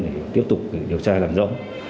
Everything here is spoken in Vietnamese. để tiếp tục điều tra làm rõ